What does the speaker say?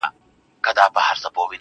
o د زړه په كور كي دي بل كور جوړكړی.